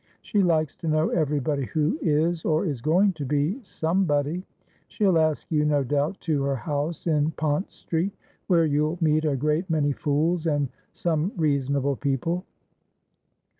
She likes to know everybody who is, or is going to be, somebody. She'll ask you, no doubt, to her house in Pont Street, where you'll meet a great many fools and some reasonable people.